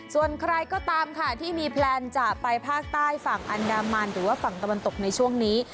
ส่วนใครก็ตามค่ะที่มีแพลนจะไปภาคใต้ฝั่งอันดามันหรือว่าฝั่งตะวันตกในช่วงนี้